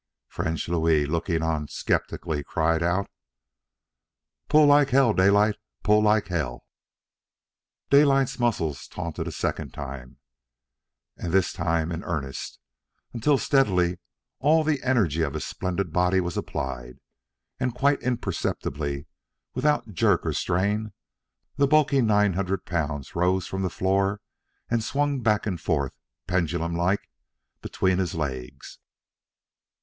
French Louis, looking on sceptically, cried out, "Pool lak hell, Daylight! Pool lak hell!" Daylight's muscles tautened a second time, and this time in earnest, until steadily all the energy of his splendid body was applied, and quite imperceptibly, without jerk or strain, the bulky nine hundred pounds rose from the door and swung back and forth, pendulum like, between his legs.